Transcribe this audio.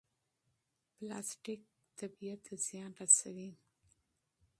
پلاستیک طبیعت ته زیان رسوي.